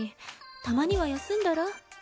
たまには休んだら？